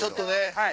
はい。